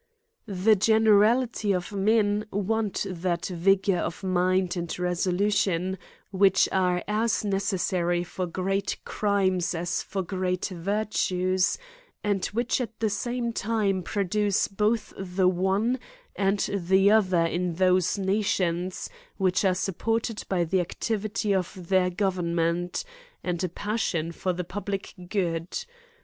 The generality of men want that vigour of mind and resolution which are as necessary for great crimes as for great virtues, and which at the same time produce both the one and the other in those nations which are supported by the activity of their government, and a passion for the public good.